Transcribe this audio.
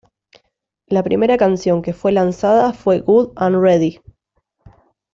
La primera canción que fue lanzada fue "Good 'N' Ready".